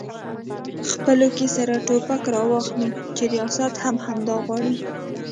خپلو کې سره ټوپک راواخلي چې ریاست هم همدا غواړي؟